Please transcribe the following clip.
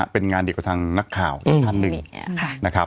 เป็นงานเดียวกับทางนักข่าวเดียวกับทางหนึ่ง